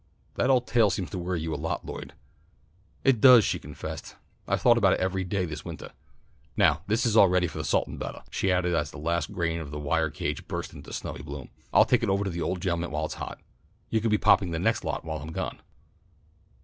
"That old tale seems to worry you a lot, Lloyd." "It does," she confessed. "I've thought about it every day this wintah. Now this is all ready for the salt and buttah," she added as the last grain in the wire cage burst into snowy bloom. "I'll take it ovah to the old gentlemen while it's hot. You can be popping the next lot while I'm gone."